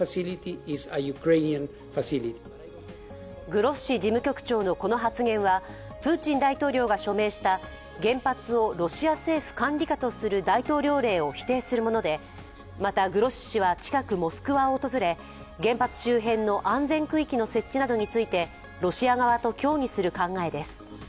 グロッシ事務局長のこの発言はプーチン大統領が署名した原発をロシア政府管理下とする大統領令を否定するものでまた、グロッシ氏は近くモスクワを訪れ原発周辺の安全区域の設置などについてロシア側と協議する考えです。